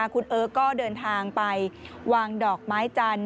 คุณเอิร์กก็เดินทางไปวางดอกไม้จันทร์